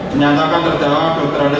menyatakan terdala gu gu gu ku ruzaibin